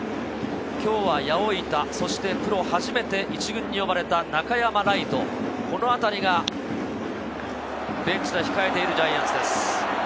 今日は八百板、そしてプロ初めて１軍に呼ばれた中山礼都、このあたりがベンチでは控えているジャイアンツです。